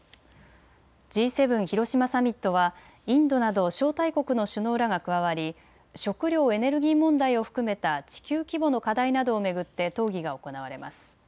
Ｇ７広島サミットはインドなど招待国の首脳らが加わり食料・エネルギー問題を含めた地球規模の課題などを巡って討議が行われます。